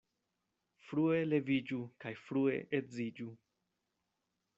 Frue leviĝu kaj frue edziĝu.